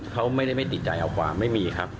เขาไม่ได้ไม่ติดใจเอาความไม่มีครับ